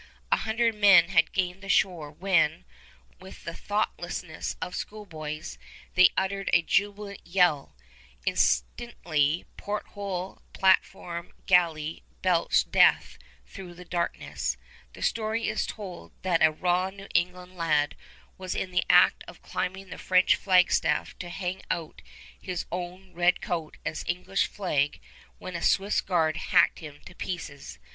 A hundred men had gained the shore when, with the thoughtlessness of schoolboys, they uttered a jubilant yell. Instantly, porthole, platform, gallery, belched death through the darkness. The story is told that a raw New England lad was in the act of climbing the French flagstaff to hang out his own red coat as English flag when a Swiss guard hacked him to pieces.